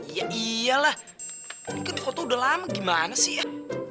iya iya lah ini kan foto udah lama gimana sih ya